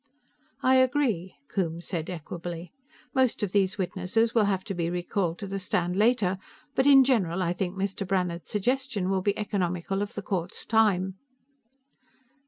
"I agree," Coombes said equably. "Most of these witnesses will have to be recalled to the stand later, but in general I think Mr. Brannhard's suggestion will be economical of the court's time."